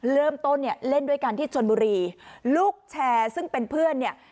เริ่มต้นเนี่ยเล่นด้วยกันที่ชนบุรีลูกแชร์ซึ่งเป็นเพื่อนเนี่ย